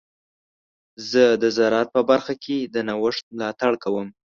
زه د زراعت په برخه کې د نوښت ملاتړ کوم.